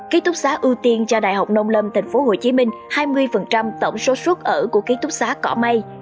ký túc xác ưu tiên cho đại học nông lâm thành phố hồ chí minh hai mươi tổng số suốt ở của ký túc xác cỏ mai